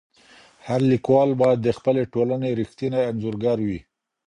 هر ليکوال بايد د خپلي ټولني رښتينی انځورګر وي.